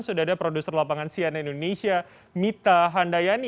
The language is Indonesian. sudah ada produser lapangan sian indonesia mita handayani